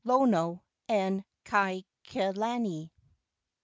LONO AND KAIKILANI.